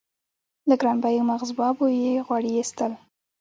له ګرانبیو مغزبابو یې غوړي اېستل.